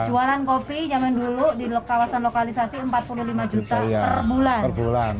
jualan kopi zaman dulu di kawasan lokalisasi empat puluh lima juta per bulan